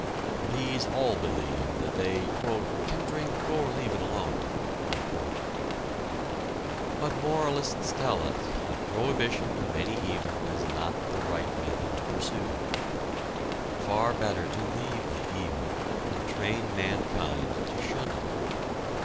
Bees all believe that they "can drink or leave it alone." But moralists tell us that prohibition of any evil is not the right method to pursue; far better to leave the evil and train mankind to shun it.